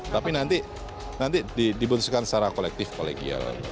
tapi nanti dibentukkan secara kolektif kolegial